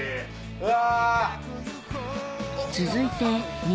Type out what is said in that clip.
うわ！